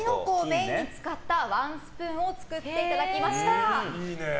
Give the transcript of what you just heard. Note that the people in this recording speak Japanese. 皆さんにキノコをメインに使ったワンスプーンを作っていただきました。